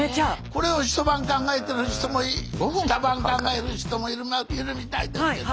これを一晩考えてる人も二晩考える人もいるみたいですけど。